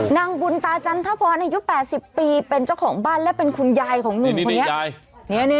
นางบุญตาจันทพรอายุ๘๐ปีเป็นเจ้าของบ้านและเป็นคุณยายของหนุ่มคนนี้